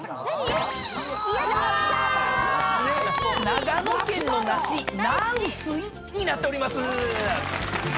長野県の梨南水になっております。